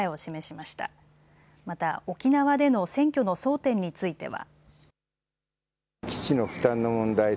また、沖縄での選挙の争点については。